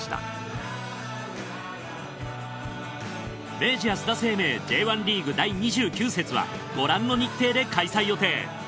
明治安田生命Ｊ１リーグ第２９節はご覧の日程で開催予定。